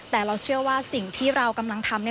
แต่เราเชื่อว่าสิ่งที่เรากำลังทำ